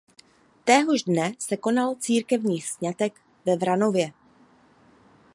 Téhož dne se konal církevní sňatek ve Vranově.